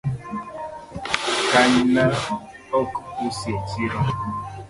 Kanyna ok usi echiro